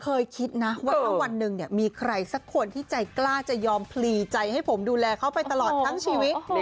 เคยคิดนะว่าถ้าวันหนึ่งมีใครสักคนที่ใจกล้าจะยอมพลีใจให้ผมดูแลเขาไปตลอดทั้งชีวิต